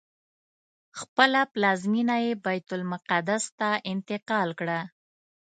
خپله پلازمینه یې بیت المقدس ته انتقال کړه.